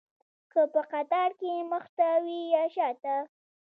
که په قطار کې مخته وي یا شاته.